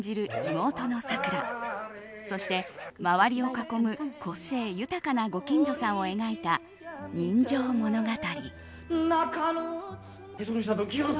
妹のさくらそして、周りを囲む個性豊かなご近所さんを描いた人情物語。